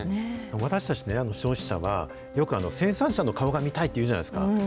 私たちの消費者はよく生産者の顔が見たいっていうじゃないですか。